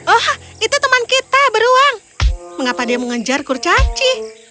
oh itu teman kita beruang mengapa dia mengejar kurcaci